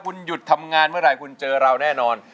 คุณหยุดทำงานเมื่อไหร่คุณเจอเราแน่นอน